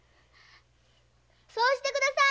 そうしてください。